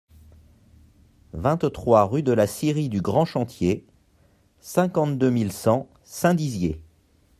vingt-trois rue de la Scierie du Grand Chantier, cinquante-deux mille cent Saint-Dizier